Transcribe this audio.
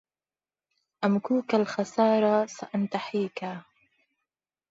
أمكوك الخسار سأنتحيكا